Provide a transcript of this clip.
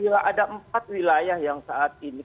bila ada empat wilayah yang saat ini